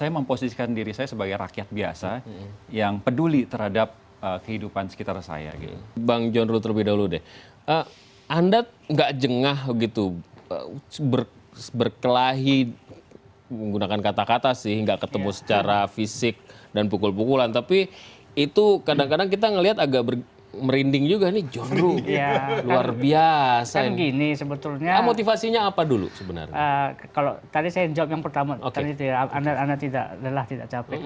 motivasinya apa dulu sebenarnya kalau tadi saya jawab yang pertama oke tidak lelah tidak capek